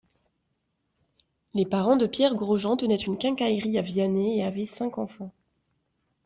Les parents de Pierre Grosjean tenaient une quincaillerie à Vagney et avaient cinq enfants.